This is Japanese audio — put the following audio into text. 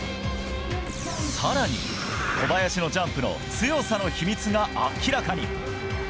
さらに、小林のジャンプの強さの秘密が明らかに。